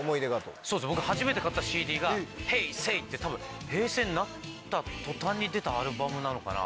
初めて買ったＣＤが『Ｈｅｙ！Ｓａｙ！』って多分平成になった途端に出たアルバムなのかな。